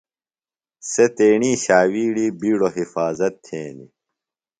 سےۡ تیݨی ݜاوِیڑی بِیڈوۡ حفاظت تھینیۡ۔